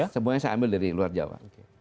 semuanya saya ambil dari luar jawa